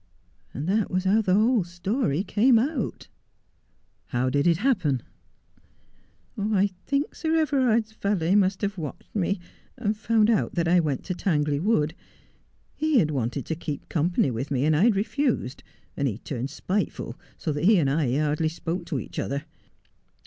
And that was how the whole story came out.' 'How did it happen?' ' I think Sir Everard's valet must have watched me, and found out that I went to Tangley Wood. He had wanted to keep company with me, and I had refused, and he had turned spiteful, so that he and me hardly spoke to each other.